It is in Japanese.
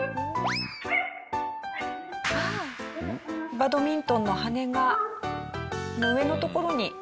バドミントンの羽根がこの上の所に。